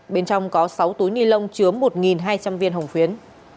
bên trong có sáu túi ni lông chứa một hai trăm linh viên hồng phiến